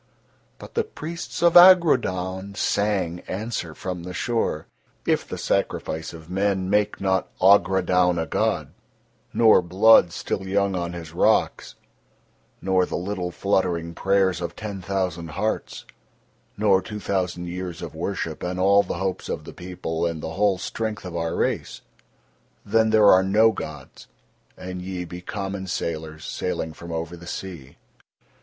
But the priests of Agrodaun sang answer from the shore: "If the sacrifice of men make not Agrodaun a god, nor blood still young on his rocks, nor the little fluttering prayers of ten thousand hearts, nor two thousands years of worship and all the hopes of the people and the whole strength of our race, then are there no gods and ye be common sailors, sailing from over the sea."